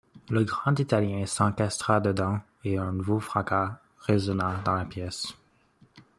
Le grand Italien s’encastra dedans, et un nouveau fracas résonna dans la pièce.